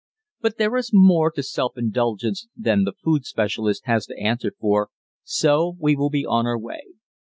But there is more to self indulgence than the food specialist has to answer for, so we will be on our way.